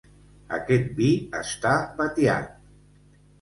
Aquest vi està batiat.